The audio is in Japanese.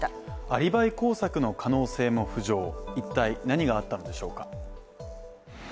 アリバイ工作の可能性も浮上、一体、何があったのでしょうか。